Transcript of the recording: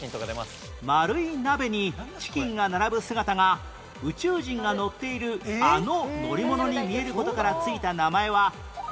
丸い鍋にチキンが並ぶ姿が宇宙人が乗っているあの乗り物に見える事から付いた名前は何チキン？